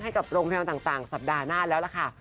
ให้กับโรงแพทย์มันต่างสัปดาห์หน้าแล้วล่ะครับ